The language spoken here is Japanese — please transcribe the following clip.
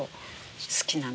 好きなの。